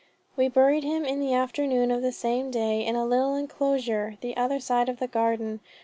We buried him in the afternoon of the same day, in a little enclosure, the other side of the garden.